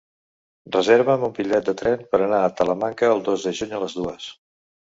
Reserva'm un bitllet de tren per anar a Talamanca el dos de juny a les dues.